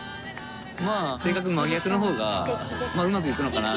まぁ性格真逆の方がうまくいくのかな？